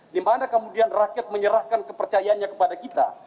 dimana kemudian rakyat menyerahkan kepercayaannya kepada kita